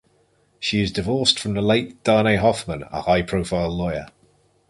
She is divorced from the late Darnay Hoffman, a high-profile lawyer.